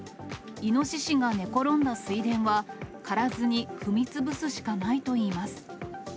イノシシが寝転んだ水田は、刈らずに、踏みつぶすしかないといいます。